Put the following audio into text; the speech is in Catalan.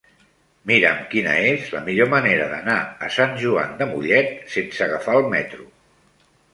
Mira'm quina és la millor manera d'anar a Sant Joan de Mollet sense agafar el metro.